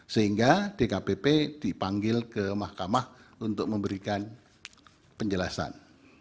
sehingga dkpp dipanggil ke mahkamah untuk memberikan penjelasan